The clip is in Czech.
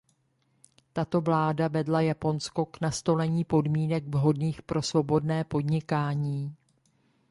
Tato vláda vedla Japonsko k nastolení podmínek vhodných pro svobodné podnikání.